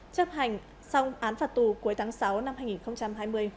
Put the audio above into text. chấp hành xong án phạt tù cuối tháng sáu năm hai nghìn hai mươi